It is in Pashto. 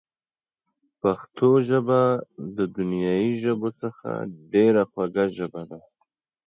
د هغې نوم تر تل پاتې بل څه مهم دی.